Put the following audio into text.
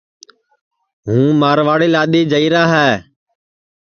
ہُوں مارواڑی لادؔی جائیرا ہے